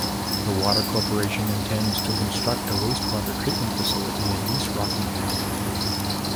The Water Corporation intends to construct a wastewater treatment facility in East Rockingham.